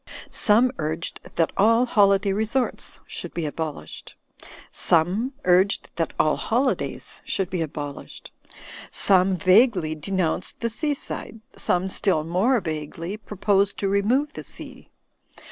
Some urged that all holiday resorts should be abolished; some urged that all holidays should be abolished. Some vaguely de nounced the sea side; some, still more vaguely, pro posed to remove the sea.